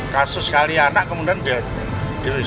kasus kaliana kemudian dirusak